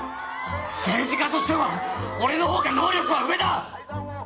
政治家としては俺の方が能力は上だ！